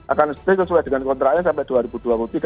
akan sesuai dengan kontraknya sampai